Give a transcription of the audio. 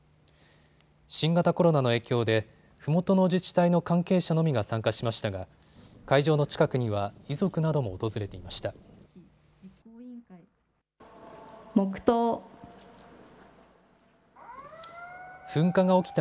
新型コロナの影響でふもとの自治体の関係者のみが参加しましたが会場の近くには遺族なども訪れていました。